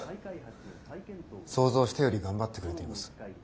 想像したより頑張ってくれています。